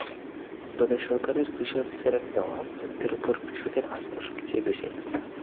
তবে সরকারের কৃষি অফিসারের দেওয়া তথ্যের ওপর কৃষকের আস্থা সবচেয়ে বেশি।